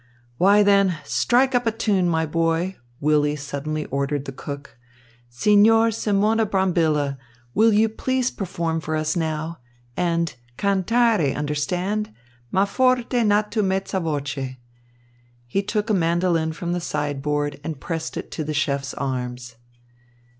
"Now then, strike up a tune, my boy!" Willy suddenly ordered the cook, "Signor Simone Brambilla, you will please perform for us now! And cantare. Understand? Ma forte not too mezza voce!" He took a mandolin from the sideboard and pressed it into the chef's arms.